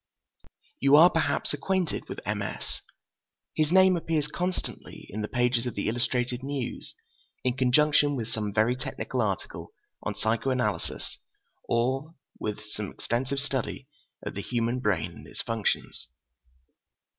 You are perhaps acquainted with M. S. His name appears constantly in the pages of the Illustrated News, in conjunction with some very technical article on psycho analysis or with some extensive study of the human brain and its functions.